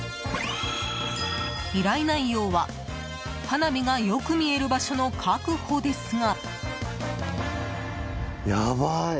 依頼内容は、花火がよく見える場所の確保ですが。